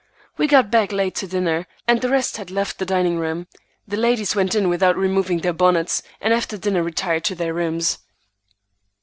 We got back late to dinner, and the rest had left the dining room. The ladies went in without removing their bonnets, and after dinner retired to their rooms.